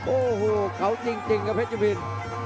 โอ้โหเขาจริงครับเพชรเจ้าบิน